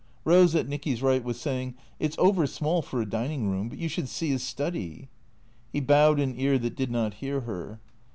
Eose at Nicky's right was saying, " It 's over small for a dinin' room. But you should see 'is study." He bowed an ear that did not hear her.